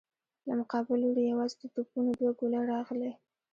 له مقابل لورې يواځې د توپونو دوې ګولۍ راغلې.